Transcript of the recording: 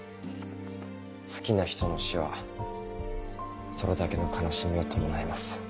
好きな人の死はそれだけの悲しみを伴います。